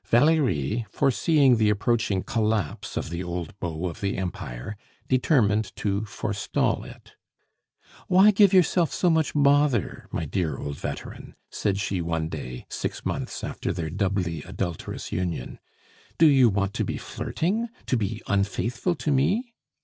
Valerie, foreseeing the approaching collapse of the old beau of the Empire, determined to forestall it. "Why give yourself so much bother, my dear old veteran?" said she one day, six months after their doubly adulterous union. "Do you want to be flirting? To be unfaithful to me?